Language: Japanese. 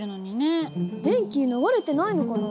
電気流れてないのかな？